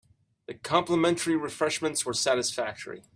The complimentary refreshments were satisfactory.